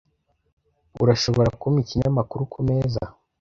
Urashobora kumpa ikinyamakuru kumeza?